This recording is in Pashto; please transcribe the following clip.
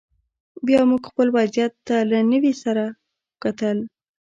بیا موږ خپل وضعیت ته له نوي سره وکتل